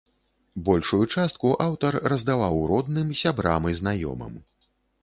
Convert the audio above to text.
Большую частку аўтар раздаваў родным, сябрам і знаёмым.